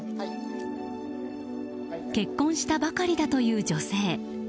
結婚したばかりだという女性。